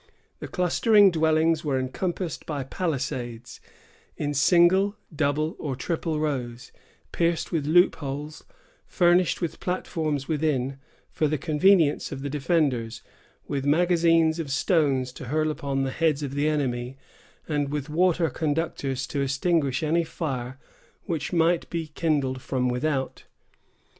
The clustering dwellings were encompassed by palisades, in single, double, or triple rows, pierced with loopholes, furnished with platforms within, for the convenience of the defenders, with magazines of stones to hurl upon the heads of the enemy, and with water conductors to extinguish any fire which might be kindled from without.